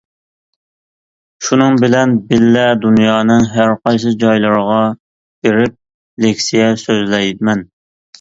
شۇنىڭ بىلەن بىللە دۇنيانىڭ ھەرقايسى جايلىرىغا بېرىپ لېكسىيە سۆزلەيمەن.